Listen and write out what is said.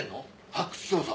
発掘調査。